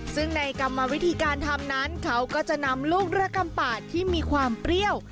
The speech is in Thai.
ซึ่งในกรรมวิธีการทำนั้นเขาก็จะนำลูกระกำปาดที่มีความเปรี้ยว